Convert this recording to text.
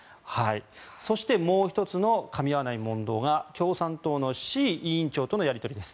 そして、もう１つのかみ合わない問答が共産党の志位委員長とのやり取りです。